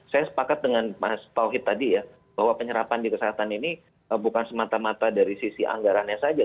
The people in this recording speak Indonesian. saya sepakat dengan mas tauhid tadi ya bahwa penyerapan di kesehatan ini bukan semata mata dari sisi anggarannya saja